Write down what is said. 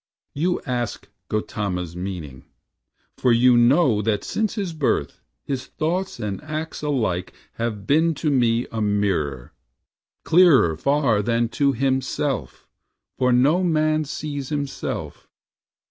"You ask Gautama's meaning, for you know That since his birth, his thoughts and acts alike Have been to me a mirror, clearer far Than to himself, for no man sees himself.